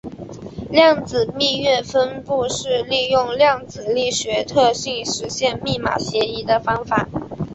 量子密钥分发是利用量子力学特性实现密码协议的方法。